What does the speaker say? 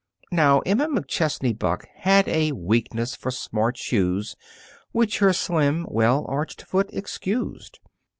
Now, Emma McChesney Buck had a weakness for smart shoes which her slim, well arched foot excused.